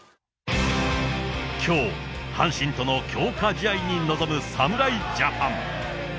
きょう、阪神との強化試合に臨む侍ジャパン。